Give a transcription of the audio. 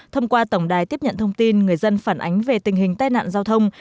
thông qua tổng đài tiếp nhận thông tin người dân phản ánh về tình hình tai nạn giao thông